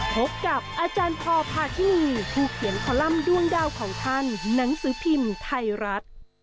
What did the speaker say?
พบกับอาจารย์พอพาทินีผู้เขียนคอลัมป์ด้วงดาวของท่านหนังสือพิมพ์ไทยรัฐ